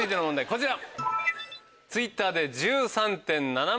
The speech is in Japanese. こちら。